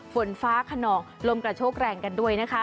ฝนฟ้าขนองลมกระโชกแรงกันด้วยนะคะ